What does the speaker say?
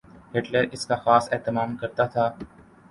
Hitler اس کا خاص اہتمام کرتا تھا۔